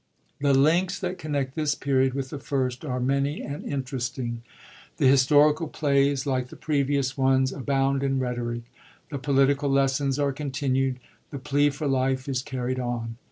The links that connect this Period with the First are many and interesting. The historical plays, like the previous ones, abound in rhetoric. The political lessons are continued; the plea for life is carried on.